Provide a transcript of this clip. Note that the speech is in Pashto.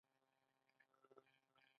فیصله راوړه چې دغه قباحت اصلاح کړم.